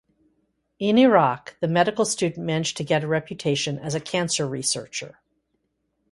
In Iraq, the medical student managed to get a reputation as a cancer researcher.